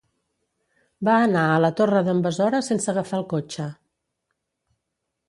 Va anar a la Torre d'en Besora sense agafar el cotxe.